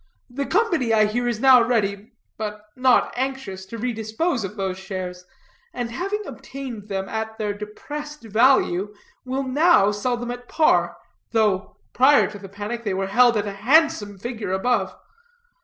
The Company, I hear, is now ready, but not anxious, to redispose of those shares; and having obtained them at their depressed value, will now sell them at par, though, prior to the panic, they were held at a handsome figure above.